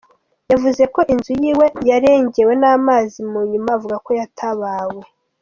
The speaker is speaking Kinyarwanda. Yavuze ko inzu yiwe yarengewe n'amazi mu nyuma avuga ko yatabawe.